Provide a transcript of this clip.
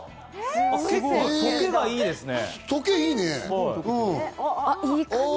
結構、溶けがいいですね。